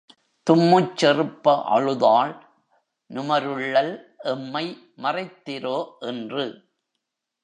தும்முச் செறுப்ப அழுதாள் நுமருள்ளல் எம்மை மறைத்திரோ என்று.